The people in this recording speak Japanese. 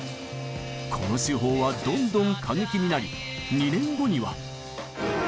この手法はどんどん過激になり２年後には。